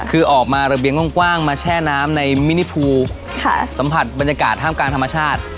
คือออกมาระเบียงกว้างมาแช่น้ำในมินิภูสัมผัสบรรยากาศท่ามกลางธรรมชาติ